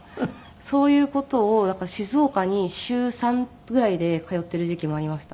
そういう事をだから静岡に週３ぐらいで通っている時期もありました。